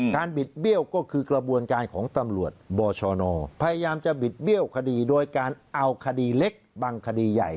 บิดเบี้ยวก็คือกระบวนการของตำรวจบชนพยายามจะบิดเบี้ยวคดีโดยการเอาคดีเล็กบางคดีใหญ่